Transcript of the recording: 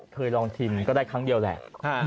เคยลองชิมก็ได้ครั้งเดียวแหละ